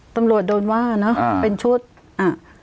ตำรวจโดนว่าเนอะอ่าเป็นชุดอ่า